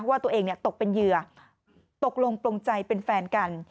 ว่าตัวเองตกเป็นเหยื่อตกลงปลงใจเป็นแฟนกัน